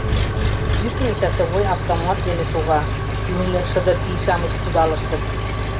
Кӱшнӧ часовой автомат дене шога, ӱлнӧ шыде тий-шамыч кудалыштыт.